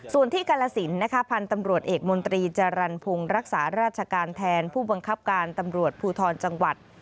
ส่วนที่กาลสินนะคะพันธุ์ตำรวจเอกมนตรีจรรพงศ์รักษาราชการแทนผู้บังคับการตำรวจภูทรจังหวัด